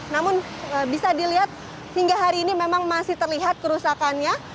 namun bisa dilihat hingga hari ini memang masih terlihat kerusakannya